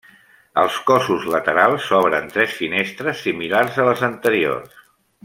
Als cossos laterals s'obren tres finestres similars a les anteriors.